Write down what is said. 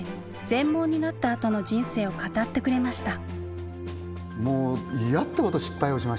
全盲になったあとの人生を語ってくれました。